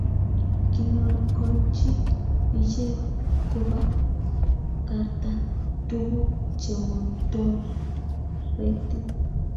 king'ololchi ichek kobakakta tukuk chemotoreti.